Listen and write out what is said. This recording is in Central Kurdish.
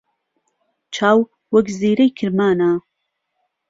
چاو وهک زیرەی کرمانه